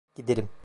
Giderim…